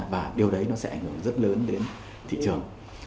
và điều đấy nó sẽ ảnh hưởng rất lớn đến thị trường